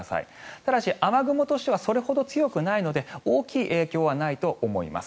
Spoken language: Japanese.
ただし、雨雲としてはそれほど強くないので大きい影響はないと思います。